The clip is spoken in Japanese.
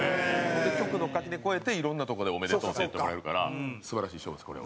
局の垣根越えて、いろんなとこで「おめでとう」って言ってもらえるから素晴らしい賞です、これは。